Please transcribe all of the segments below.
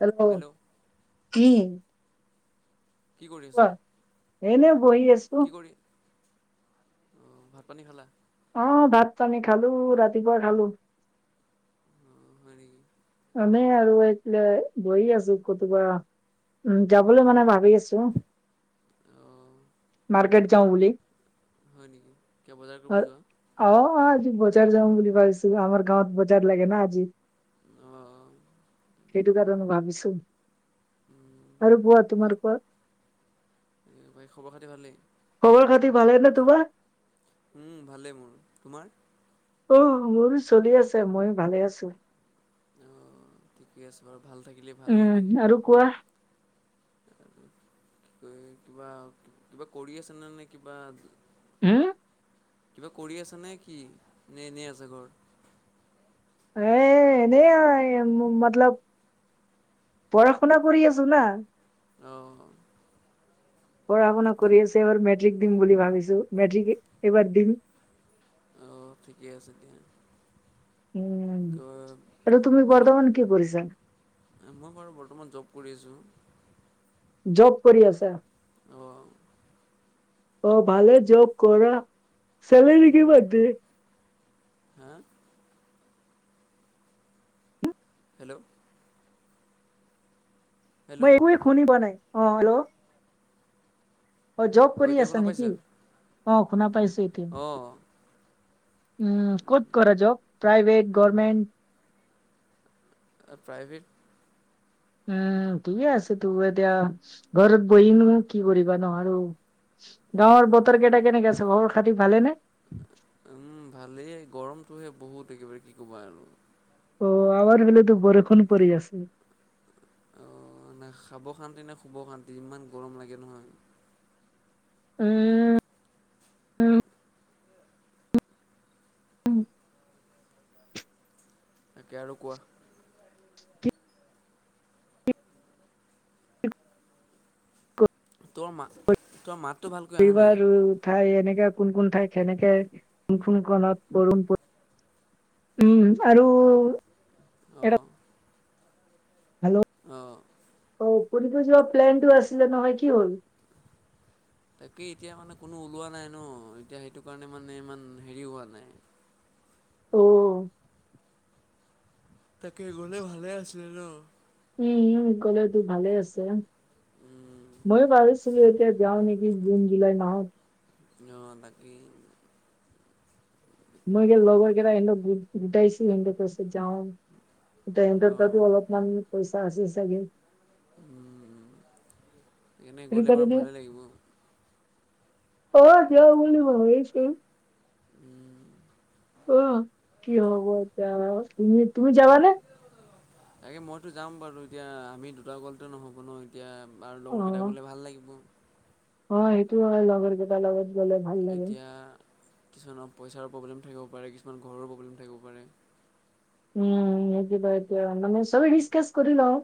Hello hello কি? কি কৰি কোৱা আছা? এনে বহি আছো কি কৰি- অঁ ভাত পানী খালা? অঁ' ভাত পানী খালো, ৰাতিপুৱা খালো। উম' হয় নেকি? এনেই আৰু এতিয়া বহি আছো কতেবা। উম' যাবলৈ মানে ভাবি আছো, অঁ মাৰ্কেট যাওঁ বুলি। হয় নেকি, কিবা বজাৰ কৰিব যোৱা? অঁ অঁ' আজি বজাৰ যাওঁ বুলি ভাবিছো, আমাৰ গাঁৱত বজাৰ লাগে না আজি। অঁ' অঁ' সেইটো কাৰণে ভাবিছো, আৰু কোৱা তোমালোকৰ? এ প্ৰায় খবৰ খাতি ভালেই। খবৰ খাতি ভালেই নে তোমাৰ? উম, ভালেই মোৰ, তোমাৰ? অ', মোৰো চলি আছে ময়ো ভালে আছো। অ', ঠিকে আছে বাৰু ভাল থাকিলে ভাল নে কি? উম আৰু কোৱা এ কিবা কিবা কৰি আছেনে নে কিবা হম? কিবা কৰি আছেনে কি নে এনেই আছে ঘৰত? এ এনেই আৰু এই মতলব পঢ়া শুনা কৰি আছো না। অ'। পঢ়া শুনা কৰি আছে এইবাৰ মেট্ৰিক দিম বুলি ভাবিছো, মেট্ৰিক এইবাৰ দিম। অ', ঠিকে আছে দিয়া। উম, আৰু তুমি অলপ বৰ্তমান কি কৰিছা? মই বাৰু বৰ্তমান জব কৰি আছো। জব কৰি আছা? অ'। অ', ভালেই জব কৰা, চেলৰী উম, কিমান দিয়ে? হা? হেল্ল'। মই হেল্ল' একোৱে শুনি পোৱা নাই অ' হেল্ল'। অ', জব অঁ কৰি এতিয়া আছা শুনা নে পাইছে কি? অ' শুনা পাইছো এতিয়া। অঁ উম, ক'ত কৰা জব প্ৰাইভেট গভৰ্মেণ্ট? অ', প্ৰাইভেট। উম, ঠিকে আছেতো এতিয়া ঘৰত বহিনো কি কৰিবা ন আৰু গাঁৱৰ বতৰ কেইটা কেনেকে আছে খবৰ খাতি ভালেই নে? উম, ভালেই গৰমটোহে বহুত একেবাৰে কি ক'বা আৰু। অ', আমাৰ ফালেতো বৰষুণ পৰি আছে। অ', না খাব শান্তি না শুব শান্তি ইমান গৰম লাগে নহয়। উম। তাকে আৰু কোৱা। তোমাৰ মা তোৰ মাতটো ভালকৈ অহা নাই [inaudible] ঠাই এনেকে কোন কোন ঠাই সেনেকে কোন কোন [unintelligible] উম, আৰু এটা অ'। ভাল অ'। অ', ফুৰিব যোৱা প্লেনটো আছিলে নহয় কি হ'ল? তাকেই এতিয়া মানে কোনো ওলোৱা নাই ন এতিয়া সেইটো কাৰণে মানে ইমান হেৰি হোৱা নাই। অ'। তাকে গ'লে ভালে আছিলে ন। উম, গ'লেতো ভালে আছে। উম, ময়ো ভাবিছিলো এতিয়া যাওঁ নেকি জুন জুলাই মাহত। অ', তাকেই। মই সেই লগৰ কেইটা সিহঁতক গো-গোটাইছো সিহঁতে কৈছো যাওঁ। তাতে সিহিতৰ অঁ তাতো অলপমানাম পইচা আছে চাগে উ উ সেইটো এনেগ'লে বাৰু কাৰণে ভালেই লাগিব অ যাওঁ বুলি ভাবিছো অ কি হ'ব এতিয়া তুমি তুমি যাবানে তাকে মইতো যাম বাৰু এতিয়া আমি দুটা গ'লতো নহ'ব ন এতিয়া বাৰু লগৰ কেইটা অ গ'লে ভাল লাগিব অ সেইটো হয় লগৰ কেটাৰ লগত গলে ভাল লাগে এতিয়া কিছুমানৰ পইচাৰ প্ৰব্লেম থাকিব পাৰে, কিছুমান ঘৰ প্ৰব্লেম থাকিব পাৰে। উম হেতু বাৰদে হয় মানে চবে ডিছকাচ কৰি লও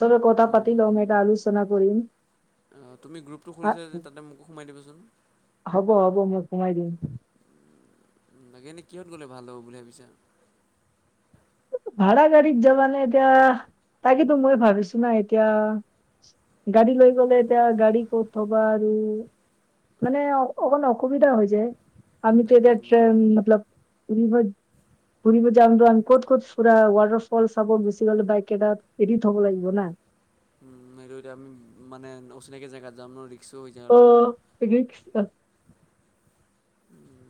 চবে কথা পাতি লম এটা আলোচনা কৰি হা মোক সোমাই দিবচোন হ'ব হ'ব মই সোমাই দিম লাগে এনেই কিহত গ'লে ভাল হ'ব বুলি ভাবিছা ভাড়া গাড়ীত যাবা নে এতিয়া, তাকেতো মই ভাবিছো নাই এতিয়া, গাড়ী লৈ গ'লে এতিয়া গাড়ী ক'ত থবা আৰু মানে অকণমান অসুবিধা হৈ যায় আমিটো তাকে এতিয়া মই ত্ৰেম মতলব ফুৰিব ফুৰিব যাম ত আমি ক'ত ক'ত পুৰা ৱাটাৰ ফল চাব গোচি গলে বাইক কেইটা এৰি থ'ব লাগিব না উম সেইটো এতিয়া আমি মানে অচিনাকৈ জেগাত যাম ন ৰি অ ৰিস্কট আ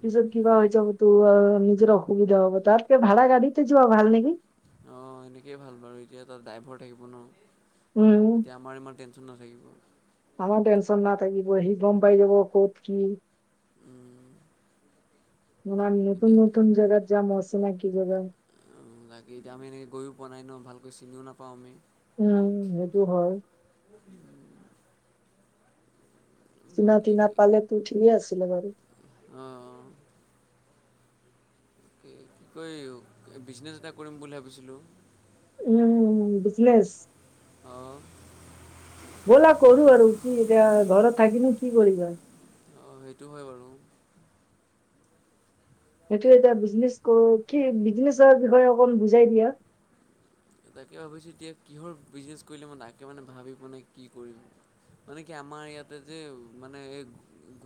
পিছত কিবা তাকে হৈ যাব তোৰ নিজৰ অসুবিধা হব তাতকে ভাড়া গাড়ী তে যোৱা ভাল নেকি অঁ সেনেকেইে ভাল বাৰু এতিয়া তাত ড্ৰাইভৰ থাকিব ন উম, তেতিয়া আমাৰ ইমান টেঞ্চন নাথাকিব আমাৰ টেঞ্চন নাথাকিব সি গমপাই যাব ক'ত কি উম উম ইমান নতুন নতুন জেগাত যাম অচিনাকী জেগা অ লাগে এতিয়া আমি এনেকৈ গৈ পোৱা নাই ন ভালকৈ চিনিওঁ নাপাওঁ আমি উম সেইটো হয় [unintelligible] চিনা তিনা পালে তো ঠিকে আছিলে বাৰু অ অ কি কয় বিজনেছ এটা কৰিম বুলি ভাবিছিলোঁ উম উম, বিজনেছ। অ'। ব'লা কৰো আৰু কি এতিয়া ঘৰত থাকিনো কি কৰিবা। অঁ' সেইটো হয় বাৰু। সেইটো এটা বিজনেচ কৰো, কি বিজনেচৰ বিষয়ে অকমান বুজাই দিয়া। তাকে ভাবিছোঁ এতিয়া কিহৰ বিজনেছ কৰিলে মই তাকে মানে ভাবিব পোৱা নাই কি কৰিম। মানে কি আমাৰ ইয়াতে যে মানে এই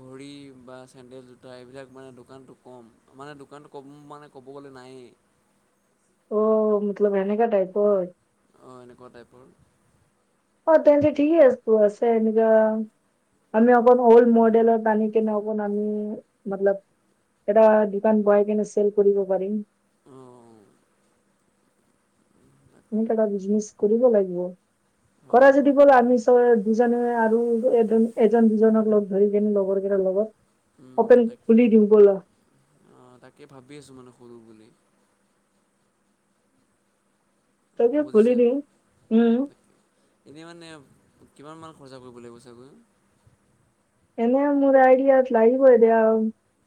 ঘড়ী বা চেণ্ডেল জোতা এইবিলাক মানে দোকানটো ক'ম, মানে দোকানটো কম মানে ক'ব গ'লে নায়েই। অ', মতলব এনেকা টাইপৰ। অঁ' এনেকুৱা টাইপৰ। অ' তেন্তে ঠিক আছে তো আছেন এনেকা আমি অকনো ওল্ড মডেলত বানি কিনে আমি মতলব এটা দোকান বহাই কেনে চেল কৰিব পাৰিম। উম। এনেকা এটা বিজনেছ কৰিব লাগিব, কৰা অঁ যদি বলা আমি। ত দুজনে আৰু এজন এজন দুজনক লগ ধৰি কিনে লগৰ কেই লগত। হোটেল খুলি দিওঁ বলা। অঁ' তাকে ভাবি আছোঁ মানে খুলোঁ বুলি। তাকে খুলি বুজিছা? দিওঁ উম এনেই মানে, কিমান মান খৰচা কৰিব লাগিব চাগৈ? এনে মোৰ আইডিয়া লাগিব এ দেয়া আৰু।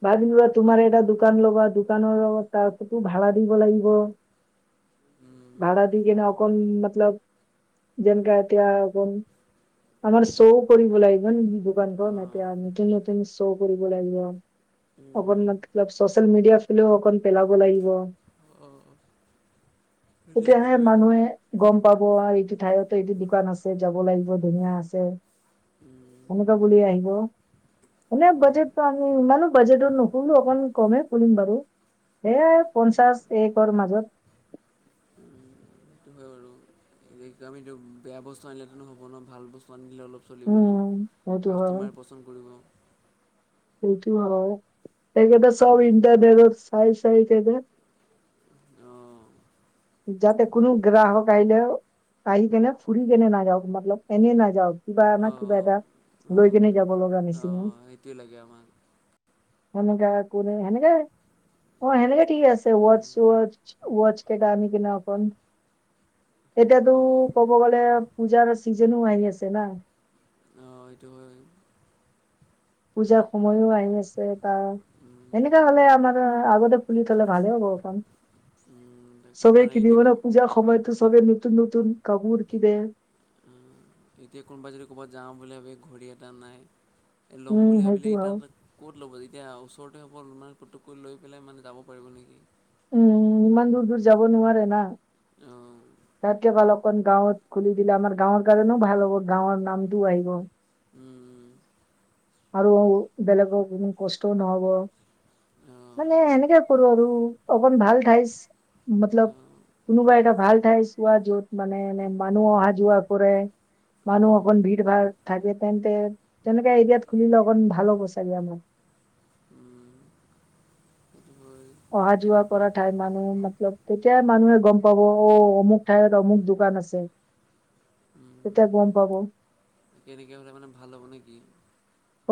বা যেনিবা তোমাৰ এটা দোকান ল'বা, দোকানৰ লগত তাৰতো ভাড়া দিব লাগিব। উম, ভাড়া দি কিনে অকণ মতলব। যেনেকা এতিয়া আকৌ, আমাৰ শ্ব' কৰিব লাগিব দোকানখন। অ', এতিয়া নতুন নতুন শ্ব' কৰিব লাগিব। অকন উম, মান চচিয়েল মিডিয়া ফালেও অকন পেলাব লাগিব। অঁ' অঁ'। তেতিয়াহে মানুহে গম পাব আৰু এইটো ঠাইতো এইটো দোকান আছে যাব লাগিব ধুনীয়া আছে। উম, এনেকুৱা বুলি আহিব। মানে বাজেটটো আমি ইমানো বাজেটৰ নুখুলো, অকমান কমে খুলিম বাৰু। এ পঞ্চাছ একৰ মাজত। সেইটো হয় আৰু। আমিতো বেয়া বস্তু আনিলেটো নহব ন, ভাল বস্তু আনিলে অলপ চলিব উম সেইটো হয় কাষ্টমাৰে। পচন কৰিব। সেইটো হয়, সেইকেইটা চব ইণ্টাৰনেট চাই চাই কেনে। অঁ'। যাতে কোনো গ্ৰাহক আহিলেও। আহি কেনে ফুৰি কেনে নাযাওক, মতলব এনে নাযাওক কিবানা কিবা অ', এটা। লৈ কেনে যাব লগা হৈছে। অঁ' সেইটোৱে লাগে আমাক। সেনেকা, কোনে হেনেকাই। অ' সেনেকে ঠিকে আছে, ৱচছ উম, ৱচছ ৱচ কেইটা আনি কিনে অকন। এতিয়াতো অ', ক'ব গ'লে পূজাৰ চিজেনো আহি আছে না। অ' সেইটো হয়। পূজাৰ সময়ও আহি আছে তাৰ। উম, এনেকা হ'লে উম। আমাৰ আগতে ফুলি থলে ভালে হ'ব। তাকে চবেই মানে কিনি এতিয়া ক মান পূজাৰ সময়তো চবেই নতুন নতুন কাপোৰ কিনে। এতিয়া কোনোবাই যদি ক'ৰবাত যাওঁ বুলি ভাবি ঘড়ী এটা নাই, ল'ম উম বুলি সেইটো ভাবিলেই হয় তাত। ক'ত ল'ব, যেতিয়া ওচৰতে হ'ব মানে পতটুকৈ লৈ পেলাই মানে যাব পাৰিব নেকি? উম উম ইমান দূৰ দূৰ যাব নোৱাৰে না। অঁ তাতকে ভাল ক অকন গাঁৱত খুলি দিলে আমাৰ গাঁৱৰ কাৰণেও ভাল হ'ব গাঁৱৰ নামটোও আহিব। উম আৰু বেলেগৰ কষ্টও নহ'ব। অঁ মানে এনেকে কৰো আৰু অকন ভাল ঠাইছ মতলব। অঁ কোনোবা এটা ভাল ঠাইছ চোৱা য'ত মানে এনে মানুহ অহা যোৱা কৰে। মানুহ উম অকন ভিৰ ভাৰ থাকে তেন্তে তেনেকা এৰিয়াত খুলিলে অকন ভাল হ'ব চাগে আমাৰ। উম সেইটো হয় অহা যোৱা কৰা ঠাই মানুহ মতলব তেতিয়াই মানুহে গম পাব অ অমুক ঠাইত অমুক দোকান আছে। [unintelligible] তেতিয়া গম পাব। এনেকে হ'লে মানে ভাল হ'ব নে কি?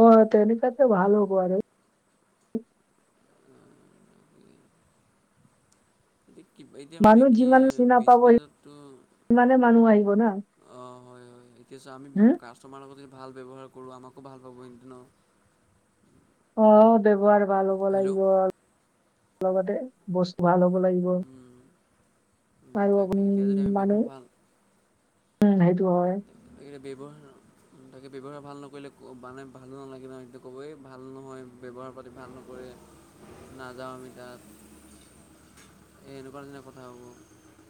অ তেনেকাত ভাল হ'ব আৰু। কি এতিয়া মানে মানুহ কি বিজনেজতো ইমানে মানুহ আহিব না। অঁ হয় হয় এতিয়া চা আমি হুম কাষ্টমাৰ লগত ভাল ব্যৱহাৰ কৰোঁ আমাকো ভাল পাব ইহঁতে ন। অ ব্যৱহাৰ ভাল হ'ব হেল্ল' লাগিব লগতে বস্তু ভাল হ'ব লাগিব। আৰু তাকে আপুনি এতিয়া যদি আমি মানে ব্যৱহাৰ ভাল উম সেইটো হয়। তাকে এতিয়া ব্যৱহাৰ তাকে ব্যৱহাৰ ভাল নকৰিলে বানেই ভালো নালাগে নহ এই ক'বই ভাল নহয়। ব্যৱহাৰ পাতি ভাল নকৰে নাযাওঁ আমি তাত। এ এনেকুৱা নিচিনা কথা হ'ব।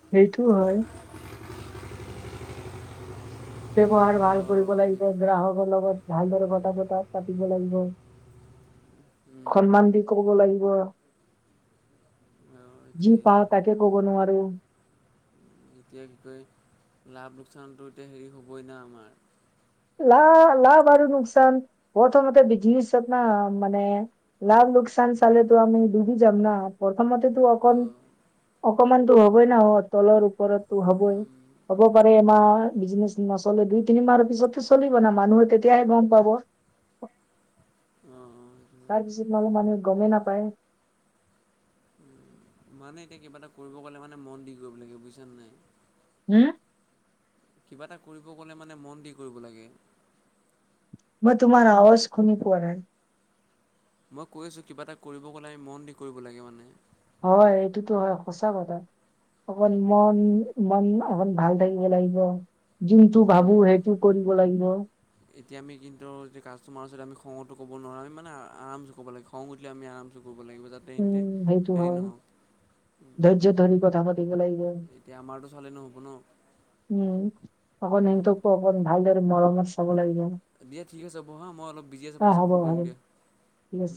সেইটো হয়। ব্যৱহাৰ ভাল কৰিব অঁ লাগিব গ্ৰাহকৰ লগত ভালদৰে কথা বতা পাতিব লাগিব। [unintelligible] সন্মান দি সেইটোৱে কবগে লাগিব। জি পাওঁ তাকে ক'ব নোৱাৰোঁ। এতিয়া কি কয় লাভ লোকচানটো এতিয়া হেৰি হ'বই ন আমাৰ। লাভ লাভ আৰু লোকচান প্ৰথমতে বিজনেচত না মানে লাভ লোকচান চালেতো আমি ডুবি যাম ন প্ৰথমতেতো অঁ অকণ অঁ অকমানতো হ'বই না অ তলৰ ওপৰতো হ'বই। হ'ব পাৰে এমাহ বিজনেচ নচলে দুই তিনিমাহৰ পিছত। চলিব না মানুহে তেতিয়াহে গম পাব। অ অ তাৰ পিছত মানে মানুহে গমেই নাপায়। মানে এতিয়া কিবা এটা কৰিব গ'লে মানে মন দি কৰিব লাগে বুজিছানে নাই? হুম কিবা এটা কৰিব গ'লে মানে মন দি কৰিব লাগে। মই তোমাৰ আৱাজ শুনি পোৱা নাই? মই কৈ আছোঁ কিবা এটা কৰিব গ'লে মন দি কৰিব লাগে মানে। হয় সেইটোতো হয় সঁচা কথা। অকন মন মন অকন ভাল থাকিব লাগিব। যোনটো ভাবো উম, সেইটো কৰিব লাগিব। এতিয়া আমি কিন্তু যে কাষ্টমাৰ ওচৰত আমি খঙটো ক'ব নোৱাৰো আমি মানে আৰামছে ক'ব লাগিব। খং উঠিলে আমি আৰামচে কৰিব লাগিব যাতে এহেতে হেৰি নহওঁক। ধৰ্য্য ধৰি কথা পাতিব লাগিব। এতিয়া আমাৰতো চালে নহব ন? উম অকন সিহঁতকো অকন ভালদৰে মৰমত চাব লাগিব। দিয়া ঠিক আছে হ'ব হা মই অলপ বিজি আছোঁ অ পাছত হ'ব ফোন কৰিম হ'ব দিয়া। ঠিক আছে।